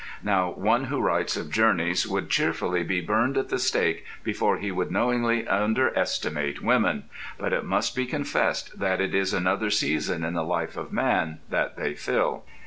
Now, one who writes of journeys would cheerfully be burned at the stake before he would knowingly underestimate women. But it must be confessed that it is another season in the life of man that they fill.